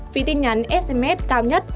phí tin nhắn sms cao nhất